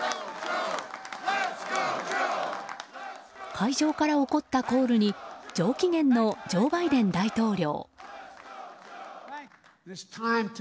会場から起こったコールに上機嫌のジョー・バイデン大統領。